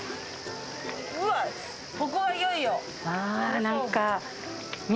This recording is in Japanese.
ここは、いよいよ。